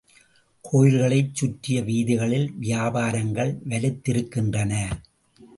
கோயில்களைச் சுற்றிய வீதிகளில் வியாபாரங்கள் வலுத்திருக்கின்றன.